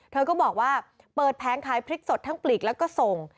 เธอก็บอกว่าเปิดแผงขายพริกสดทั้งปลีกแล้วก็ส่ง